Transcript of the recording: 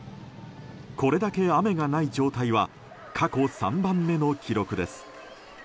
これだけ雨がない状態は過去３番目の記録です。